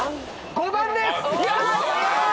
５番です。